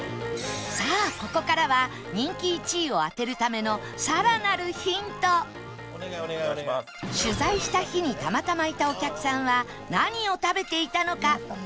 さあここからは人気１位を当てるための取材した日にたまたまいたお客さんは何を食べていたのか？